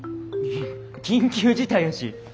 緊急事態やし。